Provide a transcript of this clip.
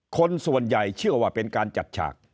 คนส่วนใหญ่เชื่อว่าเป็นการจัดฉาก